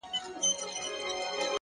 د نورو درناوی باور پیاوړی کوي,